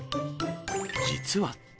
実は。